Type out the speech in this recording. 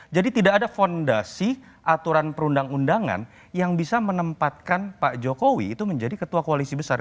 jadi tidak ada fondasi aturan perundang undangan yang bisa menempatkan pak jokowi menjadi ketua koalisi besar